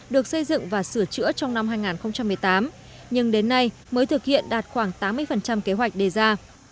được xây dựng và sửa chữa trong năm hai nghìn một mươi tám nhưng đến nay mới thực hiện đạt khoảng tám mươi kế hoạch đề ra